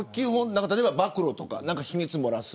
暴露とか秘密をもらす。